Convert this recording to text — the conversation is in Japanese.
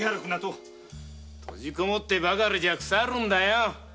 閉じこもってばかりじゃクサるんだよ。